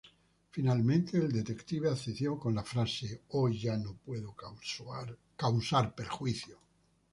Finalmente, el detective accedió con la frase: "Hoy ya no puede causar perjuicio.